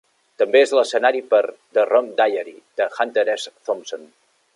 També és l'escenari per "The Rum Diary" de Hunter S. Thompson.